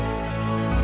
harus beri duit